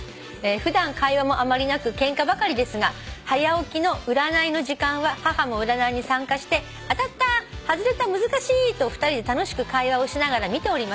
「普段会話もあまりなくケンカばかりですがはや起きの占いの時間は母も占いに参加して『当たった』『外れた難しい』と２人で楽しく会話をしながら見ております」